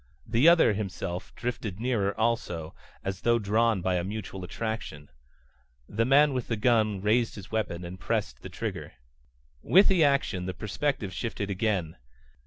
The other "himself" drifted nearer also, as though drawn by a mutual attraction. The man with the gun raised his weapon and pressed the trigger. With the action the perspective shifted again.